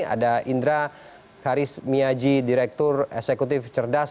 ada indra haris miyaji direktur eksekutif cerdas